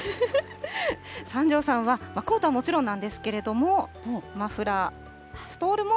三條さんは、コートはもちろんなんですけれども、マフラー、ストールも。